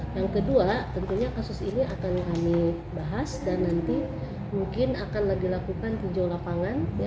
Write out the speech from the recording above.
yang kedua tentunya kasus ini akan kami bahas dan nanti mungkin akan dilakukan tinjau lapangan